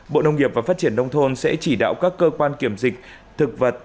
bộ nông nghiệp và phát triển nông thôn sẽ chỉ đạo các cơ quan kiểm dịch thực vật